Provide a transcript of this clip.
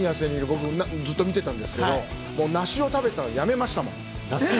僕ずっと見てたんですけれども、梨を食べてたのやめましたもん。